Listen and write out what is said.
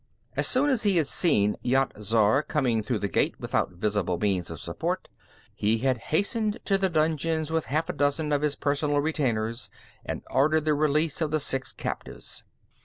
As soon as he had seen Yat Zar coming through the gate without visible means of support, he had hastened to the dungeons with half a dozen of his personal retainers and ordered the release of the six captives.